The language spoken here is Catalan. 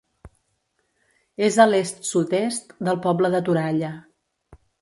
És a l'est-sud-est del poble de Toralla.